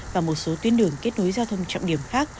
và một số tuyến đường kết nối giao thông trọng điểm khác